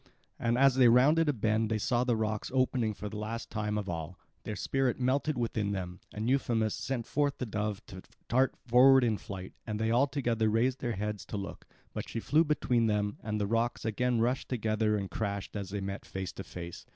And as they rounded a bend they saw the rocks opening for the last time of all. Their spirit melted within them; and Euphemus sent forth the dove to dart forward in flight; and they all together raised their heads to look; but she flew between them, and the rocks again rushed together and crashed as they met face to face.